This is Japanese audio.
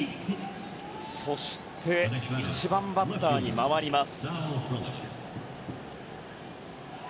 そして１番バッターに回ります。